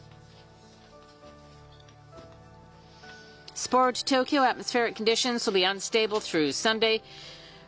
スポーツです。